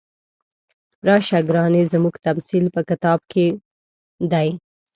راشه ګرانې زموږ تمثیل په کتاب کې دی.